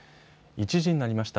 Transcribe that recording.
１時になりました。